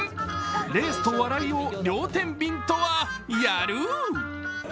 レースと笑いを両てんびんとは、やるぅ。